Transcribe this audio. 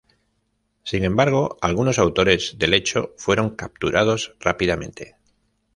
Sin embargo, algunos autores del hecho fueron capturados rápidamente.